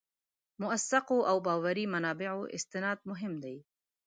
موثقو او باوري منابعو استناد مهم دی.